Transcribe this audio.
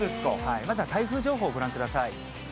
まずは台風情報、ご覧ください。